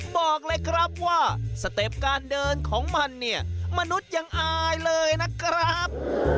บอกเลยครับว่าสเต็ปการเดินของมันเนี่ยมนุษย์ยังอายเลยนะครับ